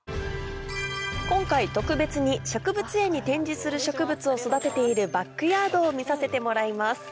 今回特別に植物園に展示する植物を育てているバックヤードを見させてもらいます